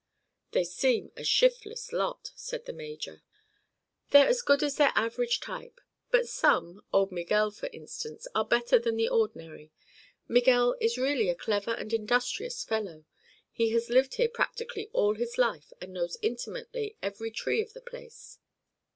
"They seem a shiftless lot," said the major. "They're as good as their average type. But some—old Miguel, for instance—are better than the ordinary. Miguel is really a clever and industrious fellow. He has lived here practically all his life and knows intimately every tree on the place."